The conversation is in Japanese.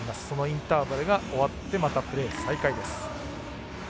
そのインターバルが終わって、またプレー再開です。